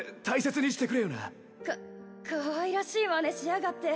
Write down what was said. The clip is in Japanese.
かかわいらしいまねしやがって